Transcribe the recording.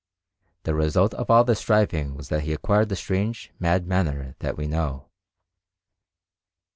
The result of all this striving was that he acquired the strange, mad manner that we know.